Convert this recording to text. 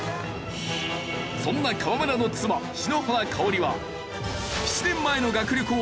そんな河村の妻篠原かをりは。